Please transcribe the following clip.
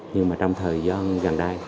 nhưng mà trong thời gian gần đây